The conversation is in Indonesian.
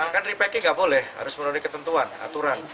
kan repacking nggak boleh harus melalui ketentuan aturan